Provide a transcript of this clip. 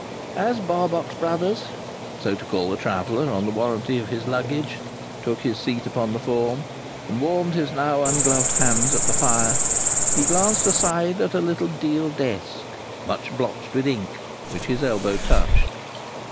As Barbox Brothers (so to call the traveller on the warranty of his luggage) took his seat upon the form, and warmed his now ungloved hands at the fire, he glanced aside at a little deal desk, much blotched with ink, which his elbow touched.